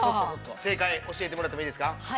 ◆正解を教えてもらっていいですか。